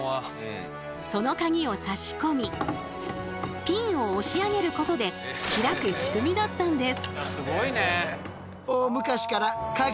その鍵を差し込みピンを押し上げることで開く仕組みだったんです。